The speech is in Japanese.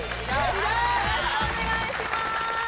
よろしくお願いします！